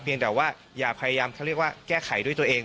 แต่ว่าอย่าพยายามเขาเรียกว่าแก้ไขด้วยตัวเอง